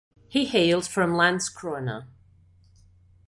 He hails from Landskrona.